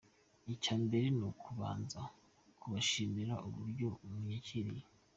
Icya mbere ni ukubanza kubashimira uburyo banyakiriye.